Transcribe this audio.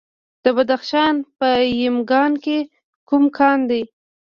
د بدخشان په یمګان کې کوم کان دی؟